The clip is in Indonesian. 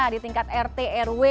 di tingkat rt rw